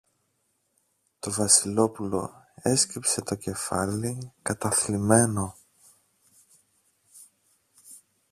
Το Βασιλόπουλο έσκυψε το κεφάλι, καταθλιμμένο.